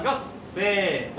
せの！